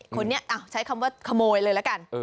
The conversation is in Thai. คนนี้ใช้คำว่าขโมยเลยละกัน